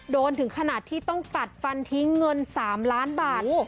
ถึงขนาดที่ต้องกัดฟันทิ้งเงิน๓ล้านบาท